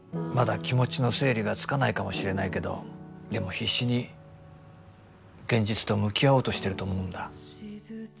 まだ気持ちの整理がつかないかもしれないけどでも必死に現実と向き合おうとしてると思うんだ。